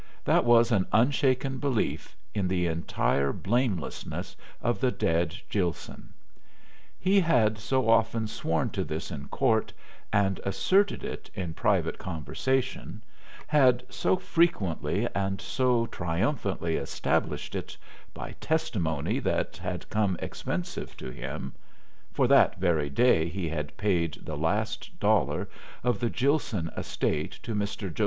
That was an unshaken belief in the entire blamelessness of the dead Gilson. He had so often sworn to this in court and asserted it in private conversation had so frequently and so triumphantly established it by testimony that had come expensive to him (for that very day he had paid the last dollar of the Gilson estate to Mr. Jo.